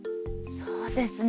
そうですね